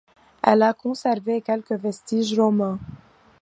Elle a conservé quelques vestiges romans.